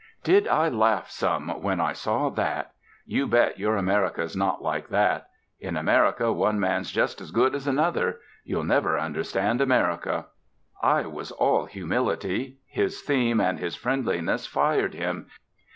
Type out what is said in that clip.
Did I laugh some when I saw that? You bet your America's not like that. In America one man's just as good as another. You'll never understand America." I was all humility. His theme and his friendliness fired him.